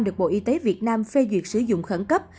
được bộ y tế việt nam phê duyệt sử dụng khẩn cấp